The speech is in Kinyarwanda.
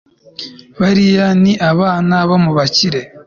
bariya ni abana bo mubakire